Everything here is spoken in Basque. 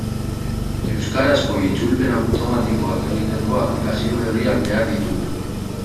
Euskarazko itzulpen automatikoak egiteko aplikazio berriak behar ditugu.